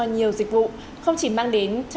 nhiều dịch vụ không chỉ mang đến cho